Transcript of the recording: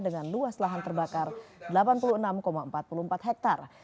dengan luas lahan terbakar delapan puluh enam empat puluh empat hektare